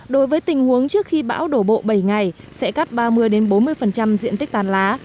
đối với tình huống trước khi bão đổ bộ bảy ngày sẽ cắt ba mươi bốn mươi diện tích tàn lá